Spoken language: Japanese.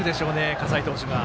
葛西投手が。